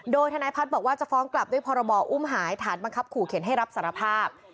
โดยทนายพัฒน์บอกว่าจะฟ้องกลับด้วยพรบอุ้มหายฐานบังคับขู่เข็นให้รับสารภาพ